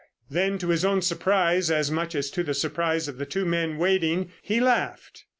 Then, to his own surprise, as much as to the surprise of the two men waiting, he laughed.